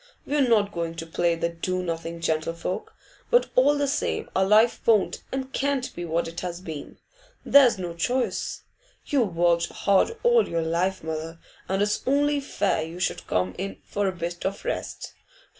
We're not going to play the do nothing gentlefolk; but all the same our life won't and can't be what it has been. There's no choice. You've worked hard all your life, mother, and it's only fair you should come in for a bit of rest.